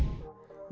kita akan kembali